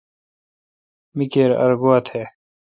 می کیر ار گوا تھ۔